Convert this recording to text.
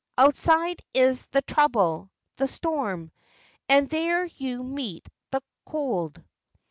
Outside is the trouble, the storm, And there you meet the cold."